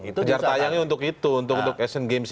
kejar tayangnya untuk itu untuk untuk asian games